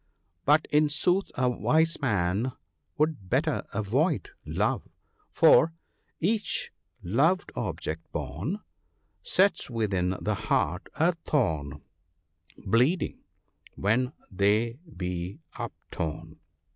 " But in sooth a wise man would better avoid love ; for —" Each belpved object born Sets within the heart a thorn, Bleeding, when they be uptorn."